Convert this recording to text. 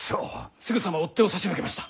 すぐさま追っ手を差し向けました！